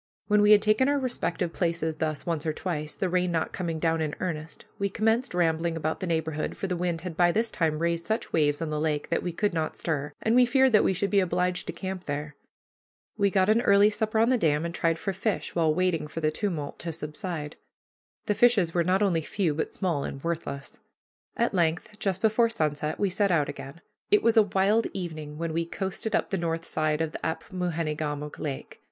When we had taken our respective places thus once or twice, the rain not coming down in earnest, we commenced rambling about the neighborhood, for the wind had by this time raised such waves on the lake that we could not stir, and we feared that we should be obliged to camp there. We got an early supper on the dam and tried for fish, while waiting for the tumult to subside. The fishes were not only few, but small and worthless. At length, just before sunset, we set out again. It was a wild evening when we coasted up the north side of this Apmoojenegamook Lake.